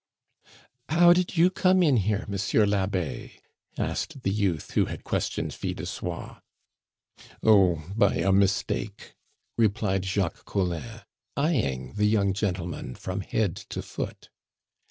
"How did you come in here, Monsieur l'Abbe?" asked the youth who had questioned Fil de Soie. "Oh, by a mistake!" replied Jacques Collin, eyeing the young gentleman from head to foot.